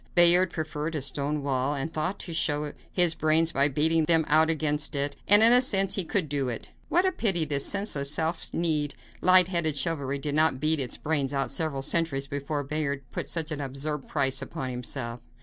Bayard preferred a stone wall, and thought to show his brains by beating them out against it, and in a sense he could do it. What a pity this senseless, stiff kneed, light headed chivalry did not beat its brains out several centuries before Bayard put such an absurd price upon himself.